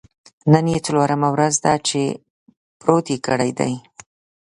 نن یې څلورمه ورځ ده چې پروت یې کړی دی.